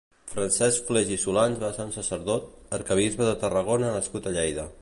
Francesc Fleix i Solans va ser un sacerdot, arquebisbe de Tarragona nascut a Lleida.